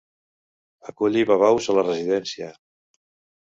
Aculli babaus a la residència.